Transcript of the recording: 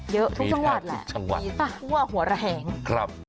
เยอะทุกชั่งวัดแหละทุกชั่งวัดมีทั้งหัวหัวแหงครับ